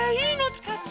つかって。